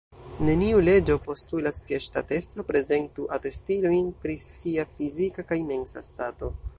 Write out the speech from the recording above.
Neniu leĝo postulas, ke ŝtatestro prezentu atestilojn pri sia fizika kaj mensa stato.